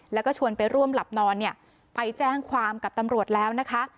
แล้วก็ชวนไปร่วมหลับนอนเนี่ยไปแจ้งความกับตำรวจแล้วนะคะ